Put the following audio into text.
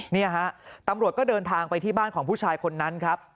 เนี่ยฮะตำรวจก็เดินทางไปที่บ้านของผู้ชายคนนั้นครับ